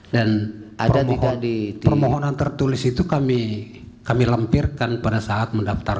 dan permohonan tertulis itu kami lempirkan pada saat mendaftarkan